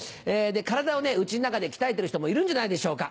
体を家の中で鍛えてる人もいるんじゃないでしょうか。